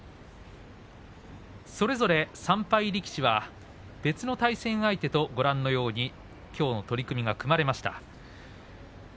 それぞれ３敗力士は別の対戦相手ときょうの取組が組まれました。